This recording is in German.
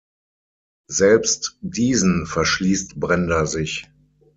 Selbst diesen verschließt Brenda sich.